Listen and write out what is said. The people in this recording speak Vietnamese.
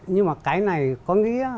nhưng mà cái này có nghĩa